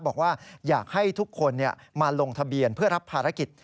บอกว่าอยากให้ทุกคนมาลงทะเบียนเพื่อรับภารกิจ